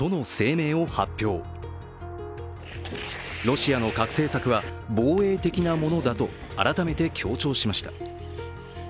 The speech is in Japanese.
ロシアの核政策は防衛的なものだと改めて強調しました。